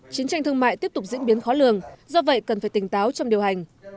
chiến tranh thương mại tiếp tục diễn biến khó lường do vậy cần phải tỉnh táo trong điều hành